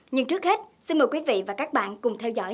nhưng trước hết xin mời quý vị và các bạn cùng theo dõi